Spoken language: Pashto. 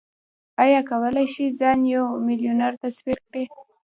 ايا کولای شئ ځان يو ميليونر تصور کړئ؟